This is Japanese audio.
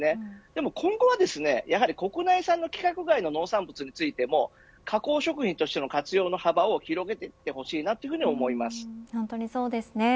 でも今後はやはり国内産の規格外の農産物についても加工食品としての活用の幅を広げていってほしいな本当にそうですね。